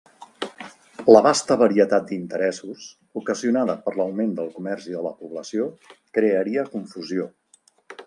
La vasta varietat d'interessos, ocasionada per l'augment del comerç i de la població, crearia confusió.